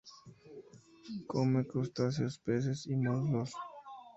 Come crustáceos, peces y moluscos.